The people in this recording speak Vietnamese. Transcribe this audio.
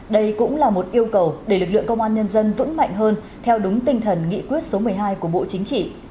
đây cũng là một yêu cầu để lực lượng công an nhân dân vững mạnh hơn theo đúng tinh thần nghị quyết số một mươi hai của bộ chính trị